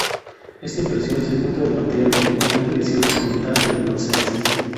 Esta impresión es el punto de partida de la importante edición comentada del Brocense.